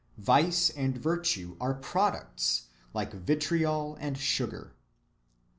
Vice and virtue are products like vitriol and sugar."